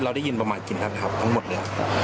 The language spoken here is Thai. เราได้ยินประมาณกินทันครับทั้งหมดเลย